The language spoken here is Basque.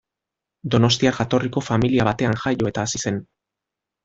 Donostiar jatorriko familia batean jaio eta hazi zen.